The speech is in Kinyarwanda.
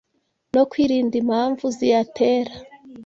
no kwirinda impamvu ziyatera